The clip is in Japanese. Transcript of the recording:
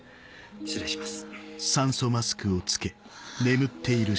失礼します。